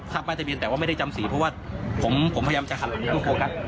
ทราบป้ายทะเบียนแต่ว่าไม่ได้จำสีเพราะว่าผมพยายามจะหันลงทุกคนครับ